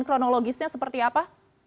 kronologisnya seperti apa